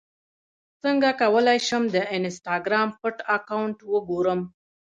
څنګه کولی شم د انسټاګرام پټ اکاونټ وګورم